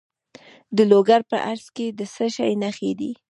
د لوګر په ازره کې د څه شي نښې دي؟